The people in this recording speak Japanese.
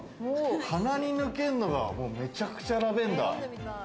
鼻に抜けるのが、めちゃくちゃラベンダー。